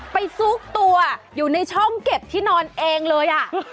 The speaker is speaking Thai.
ซุกตัวอยู่ในช่องเก็บที่นอนเองเลย